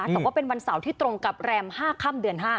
แต่ว่าเป็นวันเสาร์ที่ตรงกับแรม๕ค่ำเดือน๕